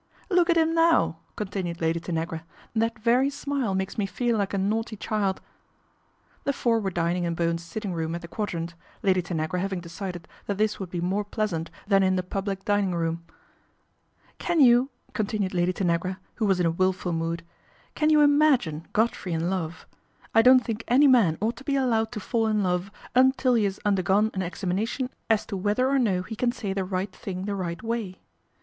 " Look at him now !" continued Lady Tanagra, " that very smile makes me feel like a naughty child." The four were dining in Bowen's sitting room at the Quadrant, Lady Tanagra having decided that this would be more pleasant than in the public dining room. Can you/' continued Lady Tanagra, who was in a wilful mood, " can you imagine Godfrey in love ? I don't think any man ought to be allowed to fall in love until he has undergone an examina tion as to whether or no he can say the right thing the right way.